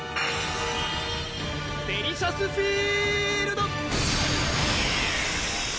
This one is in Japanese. デリシャスフィールド！